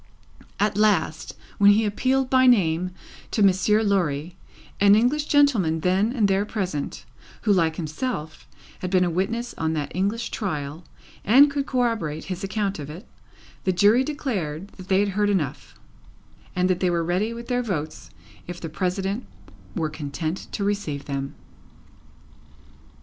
At last, when he appealed by name to Monsieur Lorry, an English gentleman then and there present, who, like himself, had been a witness on that English trial and could corroborate his account of it, the Jury declared that they had heard enough, and that they were ready with their votes if the President were content to receive them.